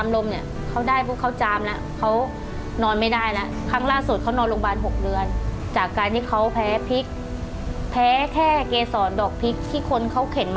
แล้วก็ถ้าเขาเลือกไปเพิ่มหนึ่ง